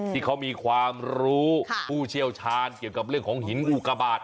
ที่เขามีความรู้ผู้เชี่ยวชาญเกี่ยวกับเรื่องของหินงูกระบาด